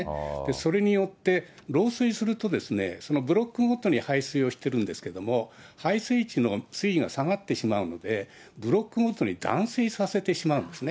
それによって漏水すると、そのブロックごとに排水をしてるんですけれども、排水地の水位が下がってしまうので、ブロックごとに断水させてしまうんですね。